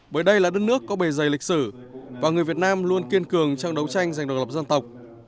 bởi đây là đất nước có bề dày lịch sử và người việt nam luôn kiên cường trong đấu tranh dành độc lập dân tộc